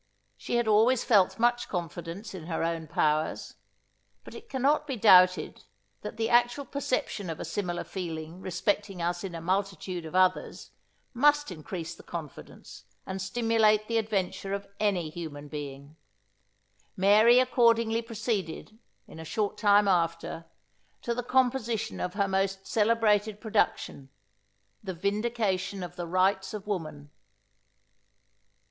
She had always felt much confidence in her own powers; but it cannot be doubted, that the actual perception of a similar feeling respecting us in a multitude of others, must increase the confidence, and stimulate the adventure of any human being. Mary accordingly proceeded, in a short time after, to the composition of her most celebrated production, the Vindication of the Rights of Woman.